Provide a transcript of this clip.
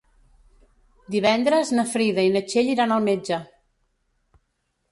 Divendres na Frida i na Txell iran al metge.